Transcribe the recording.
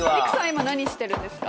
今何してるんですか？